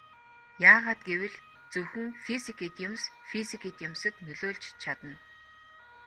Яагаад гэвэл зөвхөн физик эд юмс физик эд юмсад нөлөөлж чадна.